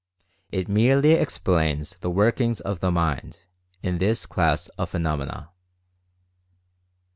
It merely explains the "workings of the mind" in this class of phenomena.